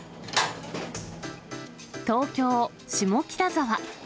東京・下北沢。